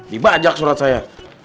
dibajak surat saya